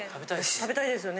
食べたいですよね。